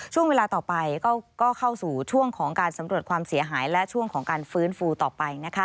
ช่วงเวลาต่อไปก็เข้าสู่ช่วงของการสำรวจความเสียหายและช่วงของการฟื้นฟูต่อไปนะคะ